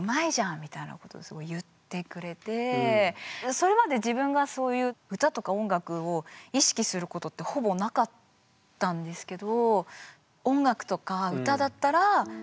それまで自分がそういう歌とか音楽を意識することってほぼなかったんですけど。